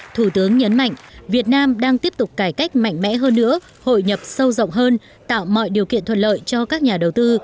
thủ tướng nhấn mạnh việt nam đang tiếp tục cải cách mạnh mẽ hơn nữa hội nhập sâu rộng hơn tạo mọi điều kiện thuận lợi cho các nhà đầu tư